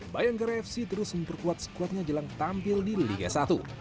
bayangkara fc terus memperkuat skuadnya jelang tampil di liga satu